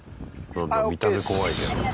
何か見た目怖いけど。